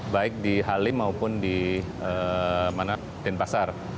baik di halim maupun di denpasar